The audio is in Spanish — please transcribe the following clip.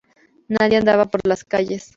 Nadie andaba por las calles.